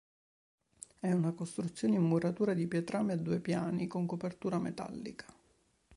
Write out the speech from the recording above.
È una costruzione in muratura di pietrame a due piani, con copertura metallica.